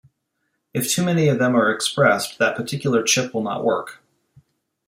If too many of them are expressed, that particular chip will not work.